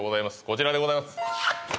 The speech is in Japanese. こちらでございます